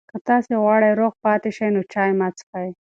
که تاسي غواړئ روغ پاتې شئ، نو چای مه څښئ.